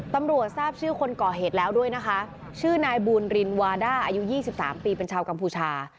ตำรวจทราบชื่อคนก่อเหตุแล้วด้วยนะคะชื่อนายบูรรินวาด้าอายุ๒๓ปีเป็นชาวกัมพูชา